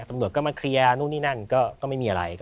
ตำรวจก็มาเคลียร์นู่นนี่นั่นก็ไม่มีอะไร